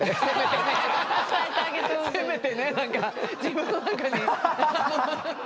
せめてねなんか自分の中に。